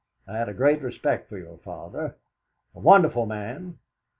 I had a great respect for your father a wonderful man!